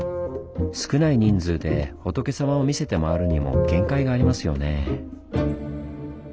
少ない人数で仏様を見せて回るにも限界がありますよね？